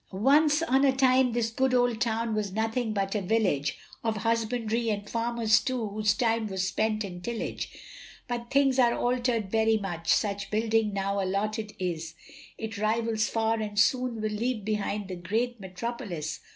Once on a time this good old town was nothing but a village, Of husbandry, and farmers too, whose time was spent in tillage; But things are altered very much, such building now allotted is, It rivals far and soon will leave behind the great Metropolis.